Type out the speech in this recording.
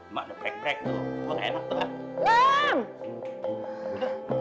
mak ada break break tuh kok enak tuh